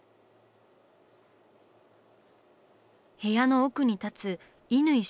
部屋の奥に立つ乾少年。